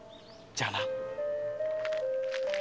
じゃあな